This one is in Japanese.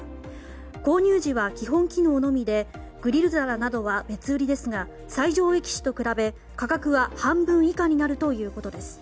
購入時は基本機能のみでグリル皿などは別売りですが最上位機種と比べ価格は半分以下になるということです。